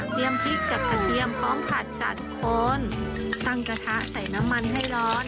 พริกกับกระเทียมพร้อมผัดจัดคนตั้งกระทะใส่น้ำมันให้ร้อน